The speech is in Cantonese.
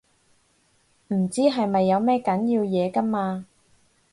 唔知係咪有咩緊要嘢㗎嘛